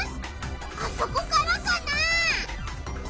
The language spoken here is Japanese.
あそこからかな？